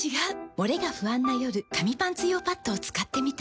モレが不安な夜紙パンツ用パッドを使ってみた。